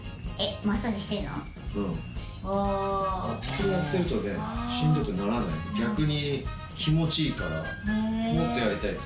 これやってるとねしんどくならない。逆に気持ちいいからもっとやりたいってなる。